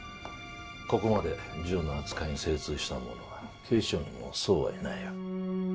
ここまで銃の扱いに精通した者は警視庁にもそうはいないよ。